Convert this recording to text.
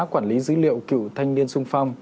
quản lý dữ liệu cựu thanh niên sung phong